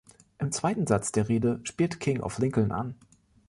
Im zweiten Satz der Rede spielt King auf Lincoln an.